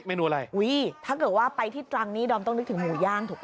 ไม่รู้อะไรอุ้ยถ้าเกิดว่าไปที่ตรังนี้ดอมต้องนึกถึงหมูย่างถูกไหม